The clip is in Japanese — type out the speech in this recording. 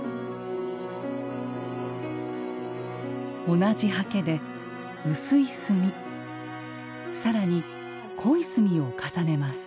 同じハケで薄い墨更に濃い墨を重ねます